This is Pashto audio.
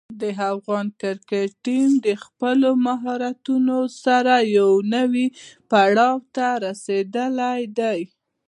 د افغان کرکټ ټیم د خپلو مهارتونو سره یوه نوې پړاو ته رسېدلی دی.